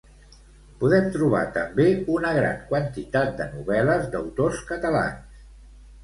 Podem trobar també una gran quantitat de novel·les d'autors catalans.